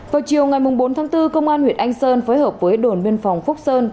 vào chiều ngày bốn tháng bốn công an huyện anh sơn phối hợp với đồn biên phòng phúc sơn